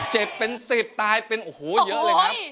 เจ็บเป็น๑๐ตายเป็นโอ้โหเยอะเลยครับ